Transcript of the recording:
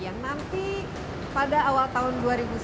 yang nanti pada awal tahun dua ribu sembilan belas